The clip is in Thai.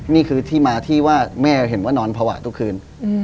นี่คือที่มาที่ว่าแม่เห็นว่านอนภาวะทุกคืน